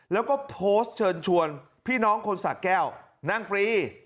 แล้วก็โพสต์เชิญชวนพี่น้องคนสะแก้วนั่งฟรี